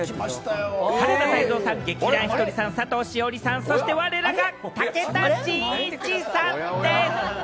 原田泰造さん、劇団ひとりさん、佐藤栞里さん、そして、我らが武田真一さんです。